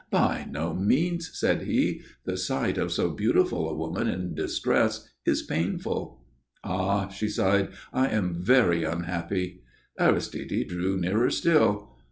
"By no means," said he. "The sight of so beautiful a woman in distress is painful." "Ah!" she sighed. "I am very unhappy." Aristide drew nearer still.